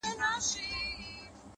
هغه ورځ په واک کي زما زړه نه وي؛